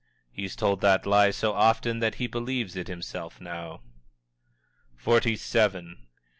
"He's told that lie so often that he believes it himself, now." XLVII.